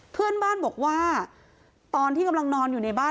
เพื่อนบ้านบอกว่าตอนที่กำลังนอนอยู่ในบ้าน